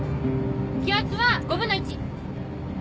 気圧は５分の１！